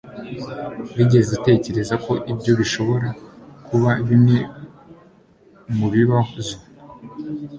Wigeze utekereza ko ibyo bishobora kuba bimwe mubibazo?